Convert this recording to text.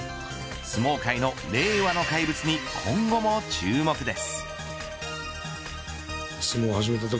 相撲界の令和の怪物に今後も注目です。